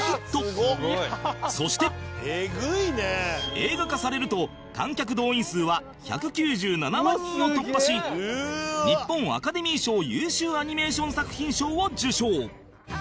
映画化されると観客動員数は１９７万人を突破し日本アカデミー賞優秀アニメーション作品賞を受賞